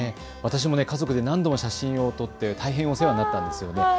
私も家族で何度も写真を撮って大変お世話になったんです。